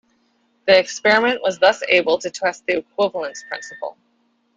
The experiment was thus able to test the equivalence principle.